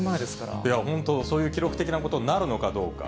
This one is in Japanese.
いや、本当、そういう記録的なことになるのかどうか。